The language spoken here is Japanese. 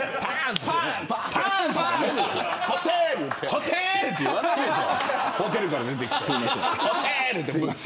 ホテールって言わないでしょ。